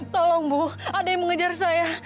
tolong bu ada yang mengejar saya